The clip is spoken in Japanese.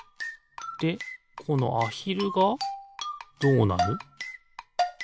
でこのアヒルがどうなる？